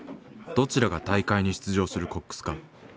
どちらが大会に出場するコックスか。